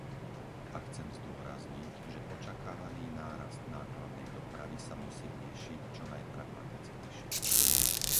A chcem zdôrazniť, že očakávaný nárast nákladnej dopravy sa musí riešiť čo najpragmatickejšie.